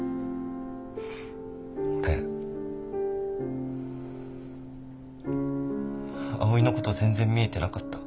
俺葵のこと全然見えてなかった。